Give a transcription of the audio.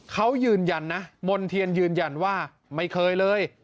เขายืนยันนะมณ์เทียนยืนยันว่าไม่เคยเลย